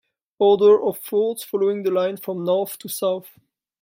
Order of forts following the line from north to south.